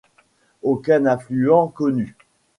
Aucun affluent connu.